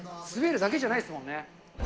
滑るだけじゃないですもんね。